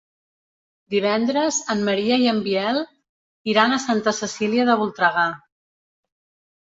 Divendres en Maria i en Biel iran a Santa Cecília de Voltregà.